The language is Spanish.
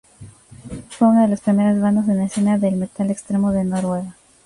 Fue una de las primeras bandas en la escena del metal extremo de Noruega.